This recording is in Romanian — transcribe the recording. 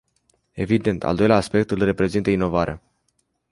Evident, al doilea aspect îl reprezintă inovarea.